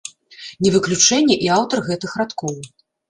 Не выключэнне і аўтар гэтых радкоў.